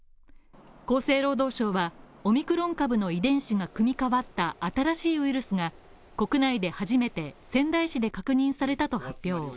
厚生労働省は、オミクロン株の遺伝子が組み換わった新しいウイルスが国内で初めて仙台市で確認されたと発表。